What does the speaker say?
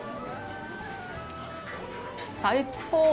最高！